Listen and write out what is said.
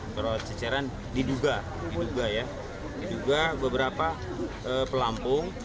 beberapa ceceran diduga ya diduga beberapa pelampung